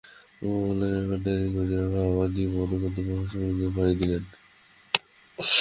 বগলাকে কাণ্ডারী করিয়া ভবানী মকদ্দমার মহাসমুদ্রে পাড়ি দিলেন।